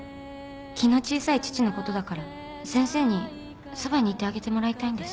気の小さい父のことだから先生にそばにいてあげてもらいたいんです。